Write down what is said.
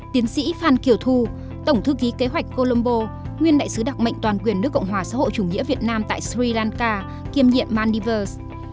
tiến sĩ phan kiều thu tổng thư ký kế hoạch colombo nguyên đại sứ đặc mệnh toàn quyền nước cộng hòa xã hội chủ nghĩa việt nam tại sri lanka kiêm nhiệm maldives